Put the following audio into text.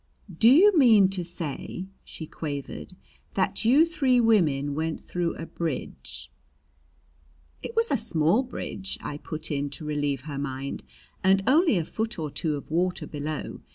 "Do you mean to say," she quavered, "that you three women went through a bridge " "It was a small bridge," I put in, to relieve her mind; "and only a foot or two of water below.